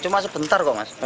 cuma sebentar kok mas